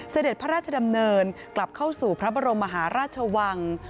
เสด็จพระราชดำเนินกลับเข้าสู่พระบรมมหาราชวัง